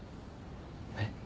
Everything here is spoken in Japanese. えっ？